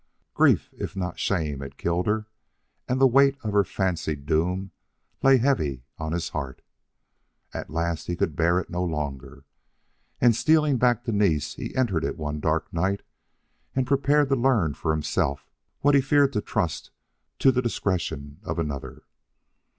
Grief if not shame had killed her; and the weight of her fancied doom lay heavy on his heart. At last he could bear it no longer, and stealing back to Nice he entered it one dark night and prepared to learn for himself what he feared to trust to the discretion of another.